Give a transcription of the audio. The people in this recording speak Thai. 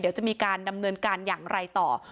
เดี๋ยวจะมีการดำเนินการอย่างไรต่อ